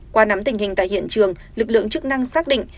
qua nắm tình hình tại hiện trường lực lượng chức năng xác định